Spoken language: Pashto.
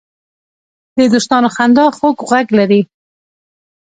د دوستانو خندا خوږ غږ لري